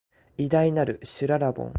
偉大なる、しゅららぼん